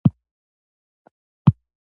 آیا بندیان به خلاص شي؟